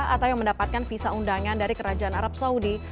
atau yang mendapatkan visa undangan dari kerajaan arab saudi